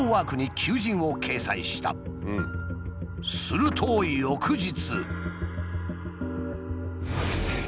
すると翌日。